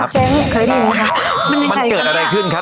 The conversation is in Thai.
เจ๊เคยได้มั้ยคะมันเกิดอะไรขึ้นคะ